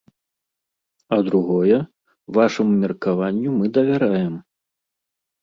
А другое, вашаму меркаванню мы давяраем.